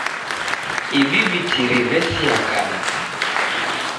Ivi vitiri vesia kazi.